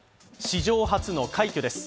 史上初の快挙です。